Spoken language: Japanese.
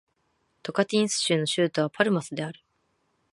トカンティンス州の州都はパルマスである